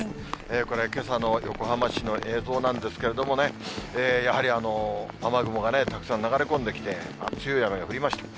これ、けさの横浜市の映像なんですけれどもね、やはり雨雲がね、たくさん流れ込んできて、強い雨が降りました。